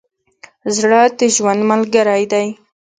زړه د ژوند ملګری دی.